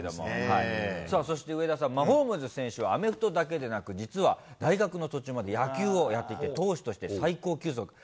さあそして、上田さん、マホームズ選手はアメフトだけでなく、実は、大学の途中まで野球をやっていて、まじか。